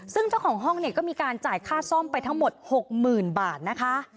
ซึ่งเจ้าของห้องเนี่ยก็มีการจ่ายค่าซ่อมไปทั้งหมด๖๐๐๐บาทนะคะ